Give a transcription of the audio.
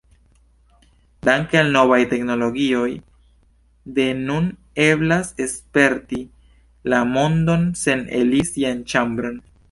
Danke al novaj teknologioj, de nun eblas sperti la mondon sen eliri sian ĉambron.